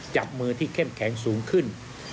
จับมือที่เข้มแข็งสูงขึ้น